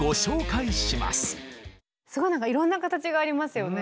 すごいなんかいろんな形がありますよね。